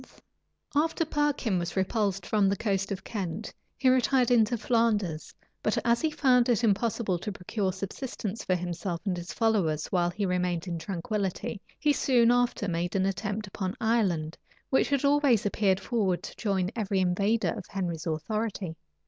} After Perkin was repulsed from the coast of Kent, he retired into Flanders; but as he found it impossible to procure subsistence for himself and his followers while he remained in tranquillity, he soon after made an attempt upon Ireland, which had always appeared forward to join every invader of Henry's authority.